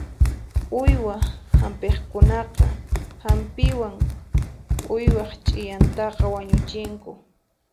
Uywa hampiqkunaqa hampiwan uywaq ch'iyantaqa wañuchinku.